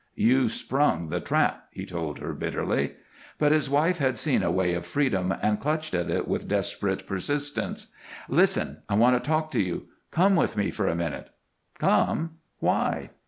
"You sprung the trap," he told her, bitterly. But his wife had seen a way to freedom and clutched at it with desperate persistence. "Listen! I want to talk to you. Come with me for a minute." "Come? Why?"